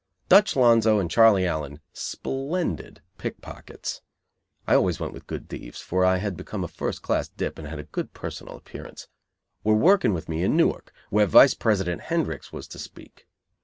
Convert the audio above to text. Dutch Lonzo and Charlie Allen, splendid pickpockets, (I always went with good thieves, for I had become a first class dip and had a good personal appearance) were working with me in Newark, where Vice President Hendricks was to speak.